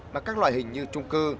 mà các loại hình như trung cư